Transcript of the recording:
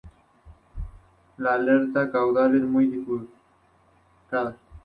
La aleta caudal es muy bifurcada.